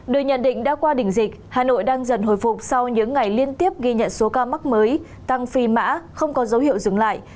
được nhận định đã qua đỉnh dịch hà nội đang dần hồi phục sau những ngày liên tiếp ghi nhận số ca mắc mới tăng phi mã không có dấu hiệu dừng lại